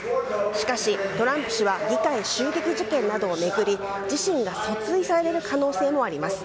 しかし、トランプ氏は議会襲撃事件など巡り自身が訴追される可能性もあります。